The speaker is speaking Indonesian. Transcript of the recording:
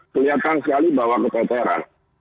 kelihatan sekali bahwa kepeperan